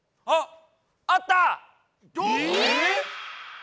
あっ！